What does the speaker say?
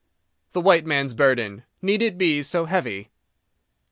THE WHITE MAN'S BURDEN! NEED IT BE SO HEAVY?